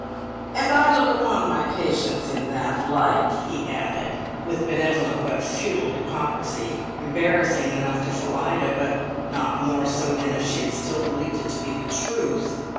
"And I look upon my patients in that light," he added, with benevolent but futile hypocrisy, embarrassing enough to Phillida, but not more so than if she had still believed it to be the truth.